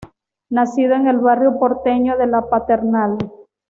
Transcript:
Nacido en el barrio porteño de La Paternal.